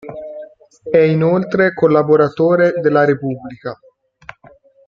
È inoltre collaboratore de La Repubblica.